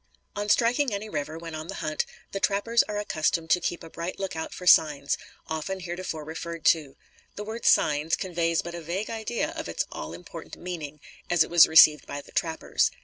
On striking any river, when on the hunt, the trappers are accustomed to keep a bright lookout for signs, often heretofore referred to. The word "signs" conveys but a vague idea of its all important meaning, as it was received by the trappers.